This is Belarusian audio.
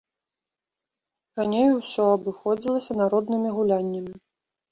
Раней усё абыходзілася народнымі гуляннямі.